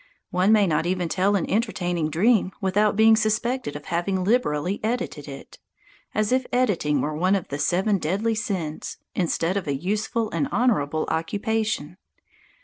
One may not even tell an entertaining dream without being suspected of having liberally edited it, as if editing were one of the seven deadly sins, instead of a useful and honourable occupation!